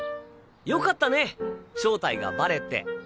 よかったね正体がバレて。